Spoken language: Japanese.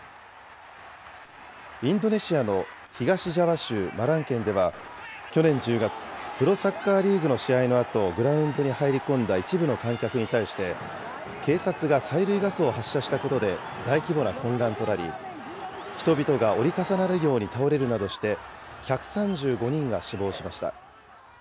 インドネシアの東ジャワ州マラン県では、去年１０月、プロサッカーリーグの試合のあと、グラウンドに入り込んだ一部の観客に対して、警察が催涙ガスを発射したことで大規模な混乱となり、人々が折り重なるように倒れるなどして、１３５人が死亡しました。